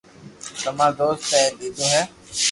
تماري دوست اي ديدو ھي